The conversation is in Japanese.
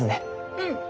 うん。